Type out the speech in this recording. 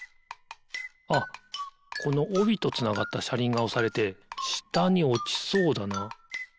あっこのおびとつながったしゃりんがおされてしたにおちそうだな。